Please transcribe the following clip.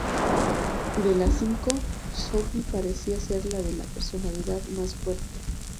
De las cinco, Sophie parecía ser la de la personalidad más fuerte.